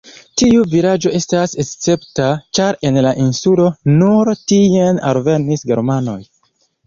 Tiu vilaĝo estas escepta, ĉar en la insulo nur tien alvenis germanoj.